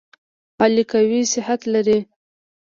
علي قوي صحت لري.